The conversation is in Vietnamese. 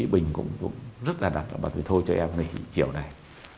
bình cũng rất là đặt bà tôi thôi cho em nghỉ chiều này